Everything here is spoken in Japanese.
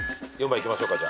４番いきましょうか。